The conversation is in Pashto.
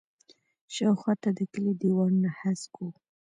شاوخوا ته د کلي دیوالونه هسک وو.